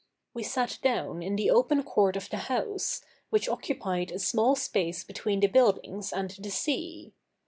We sat down in the open court of the house, which occupied a small space between the buildings and the sea.